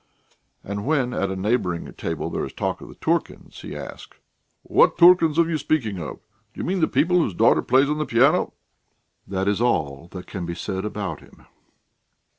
And when at a neighbouring table there is talk of the Turkins, he asks: "What Turkins are you speaking of? Do you mean the people whose daughter plays on the piano?" That is all that can be said about him.